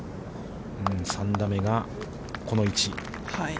３打目がこの位置。